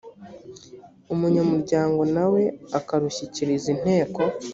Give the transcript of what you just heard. umunyamuryango nawe akarushyikiriza inteko